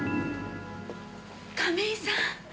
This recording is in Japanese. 亀井さん！